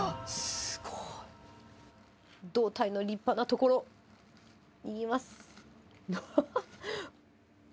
すごい。胴体の立派なところ、いきます。